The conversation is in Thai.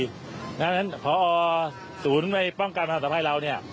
เพราะฉะนั้นหัวอสุนในป้องการประหลักภัยเราเนี่ย